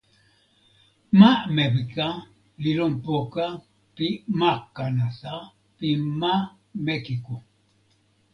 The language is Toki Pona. ma Mewika li lon poka pi ma Kanata pi ma Mekiko.